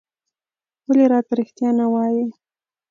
ولې راته رېښتيا نه وايې؟